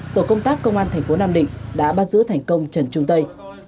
tổ công tác công an thành phố nam định đã bắt giữ thành công trần trung tây